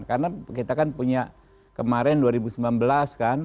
karena kita kan punya kemarin dua ribu sembilan belas kan